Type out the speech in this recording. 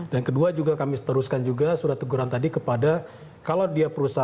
dan kedua juga kami seteruskan juga surat teguran tadi kepada kalau dia perusahaan